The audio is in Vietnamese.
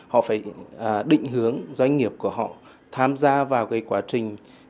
họ phải định hướng doanh nghiệp của họ tham gia vào cái quá trình